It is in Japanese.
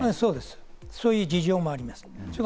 そういう事情もあります。